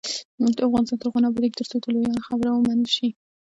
افغانستان تر هغو نه ابادیږي، ترڅو د لویانو خبره ومنل شي.